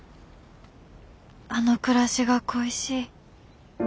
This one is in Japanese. あの暮らしが恋しい。